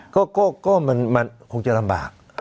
ก็มันคงจะลำบาก